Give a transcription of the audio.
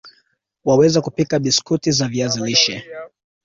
Waweza kupika biskuti za viazi lishe